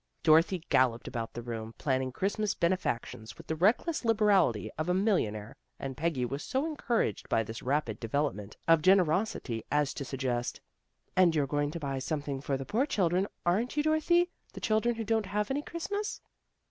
Dorothy gal loped about the room, planning Christmas benefactions with the reckless liberality of a DOROTHY GOES SHOPPING 185 millionaire, and Peggy was so encouraged by this rapid development of generosity as to suggest, " And you're going to buy something for the poor children, aren't you, Dorothy, the children who don't have any Christmas?